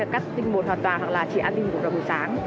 cắt tinh bột hoàn toàn hoặc là chỉ ăn tinh bột vào buổi sáng